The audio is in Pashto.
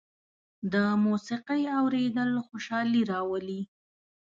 د موسيقۍ اورېدل خوشالي راولي.